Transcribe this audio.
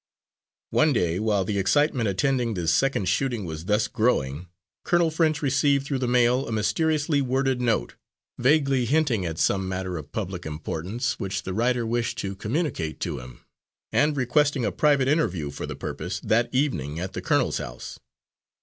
One day, while the excitement attending the second shooting was thus growing, Colonel French received through the mail a mysteriously worded note, vaguely hinting at some matter of public importance which the writer wished to communicate to him, and requesting a private interview for the purpose, that evening, at the colonel's house.